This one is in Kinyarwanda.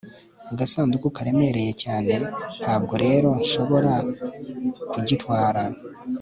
agasanduku karemereye cyane, ntabwo rero nshobora kugitwara